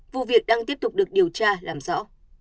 vụ việc đang tiếp tục được điều tra làm rõ